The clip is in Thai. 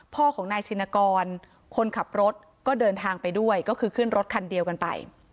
พ่อของนายชินกรคนขับรถก็เดินทางไปด้วยก็คือขึ้นรถคันเดียวกันไป